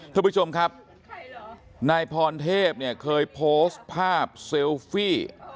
ท่านผู้ชมครับนายพรเทพเนี่ยเคยโพสต์ภาพเซลฟี่